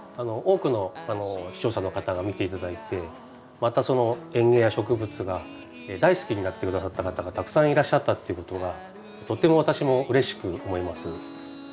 多くの視聴者の方が見て頂いてまたその園芸や植物が大好きになって下さった方がたくさんいらっしゃったっていうことがとっても私もうれしく思います。